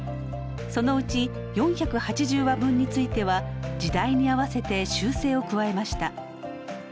そのうち４８０話分については時代に合わせて修正を加えました。